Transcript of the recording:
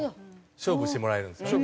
勝負してもらえるんですね。